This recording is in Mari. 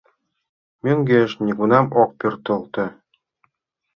Мӧҥгеш нигунам ок пӧртылтӧ.